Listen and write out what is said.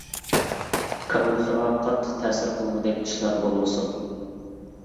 كاللىسىغا قاتتىق تەسىر قىلغۇدەك ئىشلار بولمىسۇن.